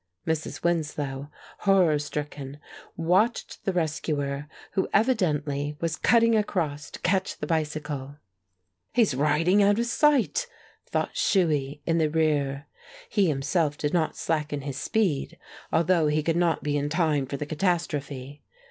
Mrs. Winslow, horror stricken, watched the rescuer, who evidently was cutting across to catch the bicycle. "He's riding out of sight!" thought Shuey, in the rear. He himself did not slacken his speed, although he could not be in time for the catastrophe.